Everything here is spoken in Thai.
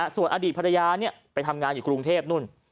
ส่วนอดีตภรรยาไปทำงานอยู่กรุงเทพนู่น